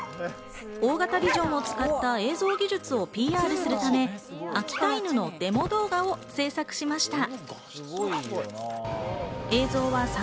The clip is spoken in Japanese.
大型ビジョンを使った映像技術をＰＲするため、秋田犬のデモ動画を制作しました。